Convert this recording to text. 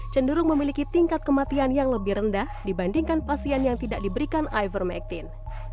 cenderung memiliki tingkat kematian yang lebih rendah dibandingkan pasien yang tidak diberikan ivermectin